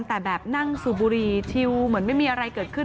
แต่แบบนั่งสูบบุหรี่ชิวเหมือนไม่มีอะไรเกิดขึ้น